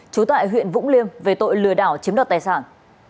trú tại huyện vũng liêm về tội lừa đảo chiếm đoạt tài sản